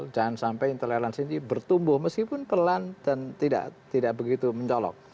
jangan sampai intoleransi ini bertumbuh meskipun pelan dan tidak begitu mencolok